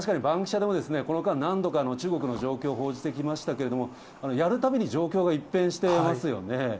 でも、この間、何度か中国の状況を報じてきましたけれども、やるたびに状況が一変してますよね。